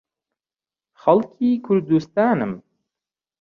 خەڵکی کوردستانم.